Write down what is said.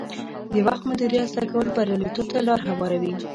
د وخت مدیریت زده کول بریالیتوب ته لار هواروي.